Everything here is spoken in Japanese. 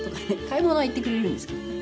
買い物は行ってくれるんですけどね。